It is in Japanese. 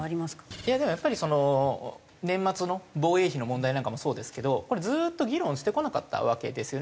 いやでもやっぱり年末の防衛費の問題なんかもそうですけどこれずっと議論してこなかったわけですよね